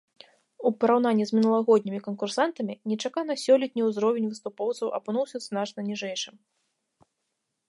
У параўнанні з мінулагоднімі канкурсантамі, нечакана сёлетні ўзровень выступоўцаў апынуўся значна ніжэйшым.